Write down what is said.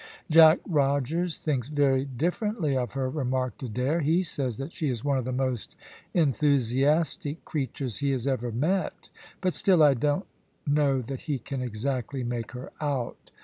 "Jack Rogers thinks very differently of her," remarked Adair. "He says that she is one of the most enthusiastic creatures he has ever met; but still I don't know that he can exactly make her out."